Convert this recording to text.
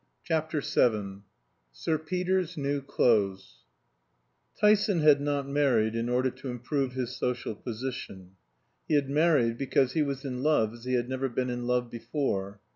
CHAPTER VII SIR PETER'S NEW CLOTHES Tyson had not married in order to improve his social position; he had married because he was in love as he had never been in love before.